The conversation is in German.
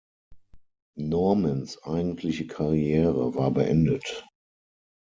Normans eigentliche Karriere war beendet.